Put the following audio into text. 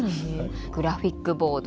グラフィックボード。